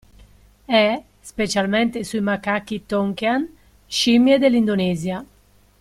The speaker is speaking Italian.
E, specialmente sui macachi tonkean, scimmie dell'Indonesia.